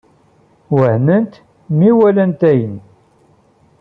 Wehment mi walant ayen.